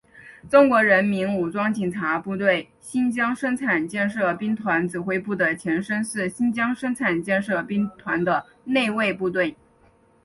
中国人民武装警察部队新疆生产建设兵团指挥部的前身是新疆生产建设兵团的内卫部队。